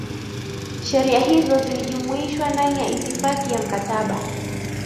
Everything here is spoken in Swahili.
sheria hizo zilijumuishwa ndani ya itifaki ya mkataba